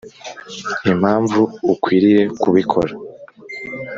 Impamvu ukwiriye kubikora